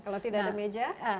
kalau tidak ada meja